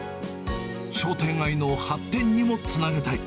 商店街の発展にもつなげたい。